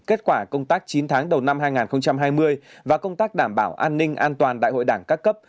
kết quả công tác chín tháng đầu năm hai nghìn hai mươi và công tác đảm bảo an ninh an toàn đại hội đảng các cấp